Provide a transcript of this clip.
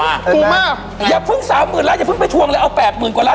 ถูกมากอย่าเพิ่งสามหมื่นล้านอย่าเพิ่งไปทวงเลยเอาแปดหมื่นกว่าล้าน